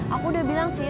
aku udah bilang sih